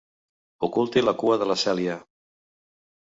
Oculti la cua de la Cèlia.